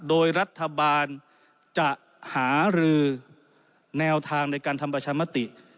โดยรัฐบาลจะหารือแนวทางในการทำประชามติ